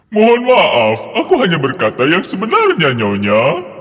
mohon maaf aku hanya berkata yang sebenarnya nyonya